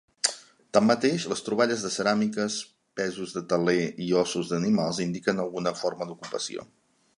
Tanmateix, les troballes de ceràmiques, pesos de teler i ossos d'animals indiquen alguna forma d'ocupació.